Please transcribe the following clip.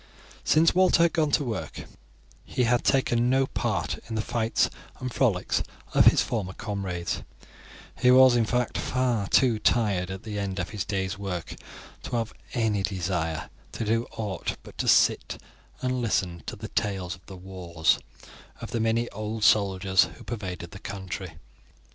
Since Walter had gone to work he had taken no part in the fights and frolics of his former comrades; he was in fact, far too tired at the end of his day's work to have any desire to do aught but to sit and listen to the tales of the wars, of the many old soldiers who pervaded the country.